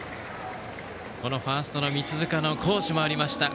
ファーストの三塚の好守もありました。